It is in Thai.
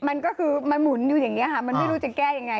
มันก็คือมันหมุนอยู่อย่างนี้ค่ะมันไม่รู้จะแก้ยังไง